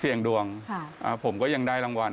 เสี่ยงดวงผมก็ยังได้รางวัล